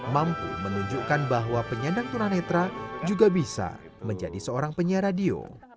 mampu menunjukkan bahwa penyandang tunanetra juga bisa menjadi seorang penyiar radio